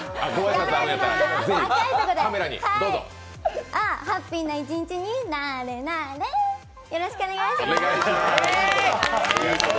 頑張りまーすハッピーな一日になーれなーれ、よろしくお願いします。